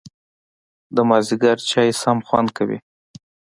د مازیګر چای سم خوند کوي